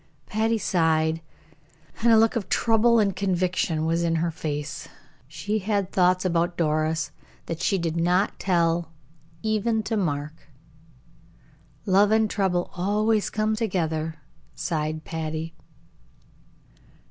Patty sighed, and a look of trouble and conviction was in her face. She had thoughts about Doris that she did not tell even to Mark. "Love and trouble always come together," sighed Patty.